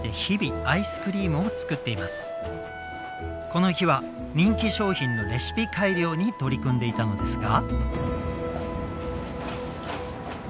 この日は人気商品のレシピ改良に取り組んでいたのですが。